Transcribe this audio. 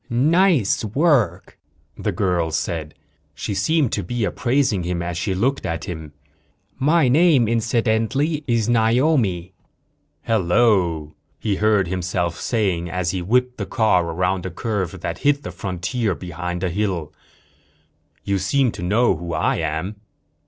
"Nice work," the girl said. She seemed to be appraising him as she looked at him. "My name, incidentally, is Naomi." "Hello," he heard himself saying as he whipped the car around a curve that hid the frontier behind a hill. "You seem to know who I am."